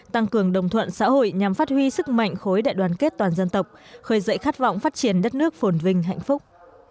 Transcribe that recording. tăng cường đồng thuận xã hội nhằm phát huy sức mạnh khối đại đoàn kết toàn dân tộc khởi dậy khát vọng phát triển đất nước phồn vinh hạnh phúc